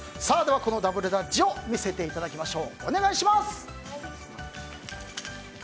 このダブルダッチを見せていただきましょう。